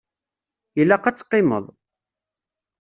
Ilaq ad teqqimeḍ.